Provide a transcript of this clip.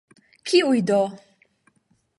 Kiuj do?